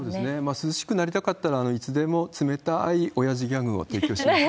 涼しくなりたかったらいつでも冷たーいおやじギャグを提供します。